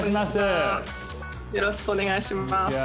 よろしくお願いします